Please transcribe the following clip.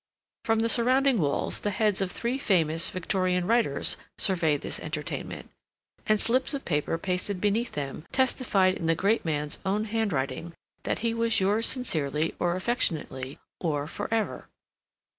From the surrounding walls the heads of three famous Victorian writers surveyed this entertainment, and slips of paper pasted beneath them testified in the great man's own handwriting that he was yours sincerely or affectionately or for ever.